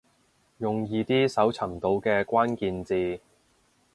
用易啲搜尋到嘅關鍵字